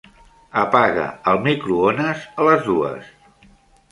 Apaga el microones a les dues.